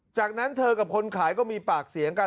จากนั้นเธอกับคนขายก็มีปากเสียงกัน